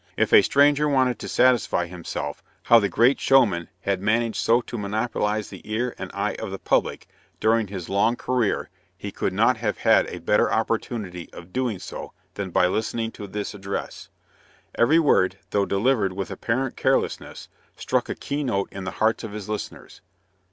If a stranger wanted to satisfy himself how the great showman had managed so to monopolize the ear and eye of the public during his long career he could not have had a better opportunity of doing so than by listening to this address. Every word, though delivered with apparent carelessness, struck a key note in the hearts of his listeners.